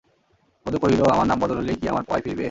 বধূ কহিল, আমার নাম বদল হইলেই কি আমার পয় ফিরিবে?